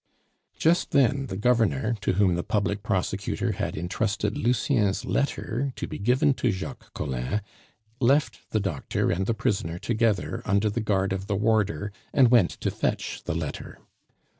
Just then the governor, to whom the public prosecutor had intrusted Lucien's letter to be given to Jacques Collin, left the doctor and the prisoner together under the guard of the warder, and went to fetch the letter.